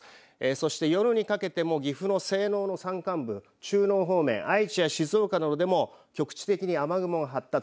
そして夜にかけても岐阜の西濃の山間部中濃方面へ愛知や静岡の方でも局地的に雨雲が発達。